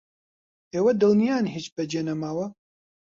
ئێوە دڵنیان هیچ بەجێ نەماوە؟